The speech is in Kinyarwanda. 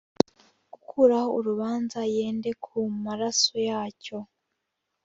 gukuraho urubanza yende ku maraso yacyo